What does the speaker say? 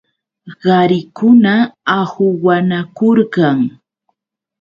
Qarikuna ahuwanakurqan.